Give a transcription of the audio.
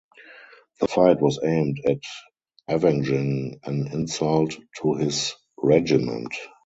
The fight was aimed at avenging an insult to his regiment.